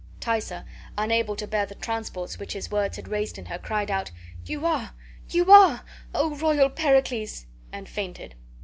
Thaisa, unable to bear the transports which his words had raised in her, cried out, "You are, you are, O royal Pericles" and fainted.